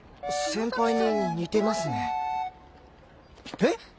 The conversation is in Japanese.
えっ？